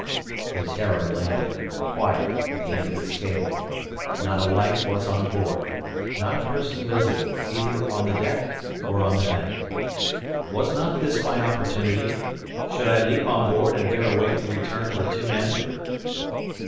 The "Terror" lay there, quiet at the end of its cable. Not a light was on board; not a person visible, either on the deck, or on the bank. Was not this my opportunity? Should I leap on board and there await the return of the two men?